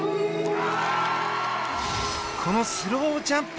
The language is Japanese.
このスロージャンプ